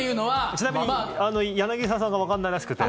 ちなみに柳澤さんがわからないらしくて。